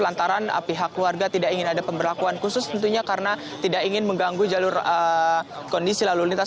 lantaran pihak keluarga tidak ingin ada pemberlakuan khusus tentunya karena tidak ingin mengganggu jalur kondisi lalu lintas